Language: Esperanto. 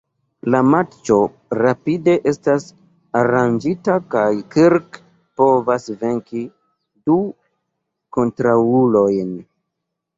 La matĉo rapide estas aranĝita kaj Kirk povas venki du kontraŭulojn.